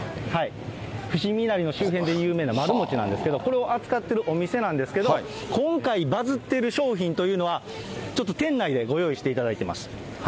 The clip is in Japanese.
伏見稲荷の周辺で有名な丸餅なんですけど、これを扱ってるお店なんですけど、今回、バズっている商品というのは、ちょっと店内でご用意していただいてます。